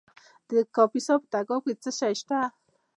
د کاپیسا په تګاب کې څه شی شته؟